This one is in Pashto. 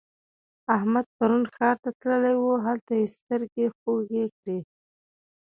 احمد پرون ښار ته تللی وو؛ هلته يې سترګې خوږې کړې.